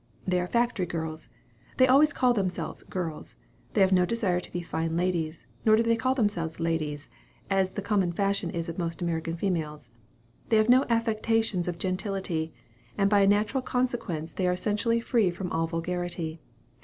They are factory girls. They always call themselves "girls." They have no desire to be fine ladies, nor do they call themselves "ladies," as the common fashion is of most American females. They have no affectations of gentility; and by a natural consequence they are essentially free from all vulgarity.